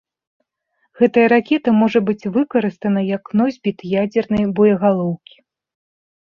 Гэтая ракета можа быць выкарыстана як носьбіт ядзернай боегалоўкі.